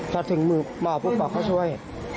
พอถึงมือหมอพูดบอกเขาช่วย